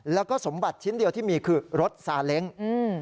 แล้วก็สมบัติชิ้นเดียวที่มีคือรถซาเล้งอืม